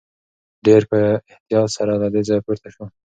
دی په ډېر احتیاط سره له ځایه پورته شو.